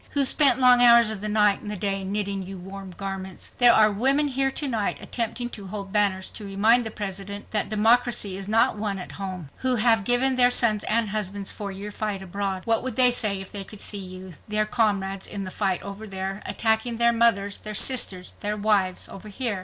Who spent long hours of the night and the day knitting you warm garments? There are women here to night attempting to hold banners to remind the President that democracy is not won at home; who have given their sons and husbands for your fight abroad. What would they say if they could see you, their comrades in the fight over there, attacking their mothers, their sisters, their wives over here?